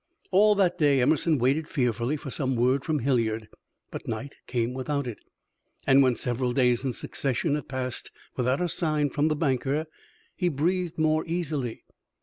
All that day Emerson waited fearfully for some word from Hilliard, but night came without it; and when several days in succession had passed without a sign from the banker, he breathed more easily.